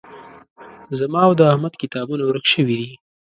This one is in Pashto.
زما او د احمد کتابونه ورک شوي دي